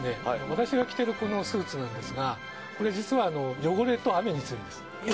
私が着てるこのスーツなんですがこれ実はあの汚れと雨に強いんです